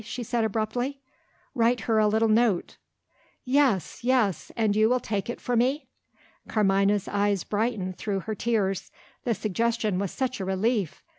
she said abruptly. "Write her a little note." "Yes! yes! and you will take it for me?" Carmina's eyes brightened through her tears, the suggestion was such a relief!